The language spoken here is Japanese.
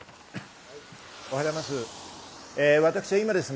おはようございます。